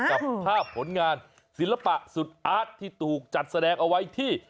กับภาพผลงานศิลปะสุดอาร์ตที่ถูกจัดแสดงเอาไว้ที่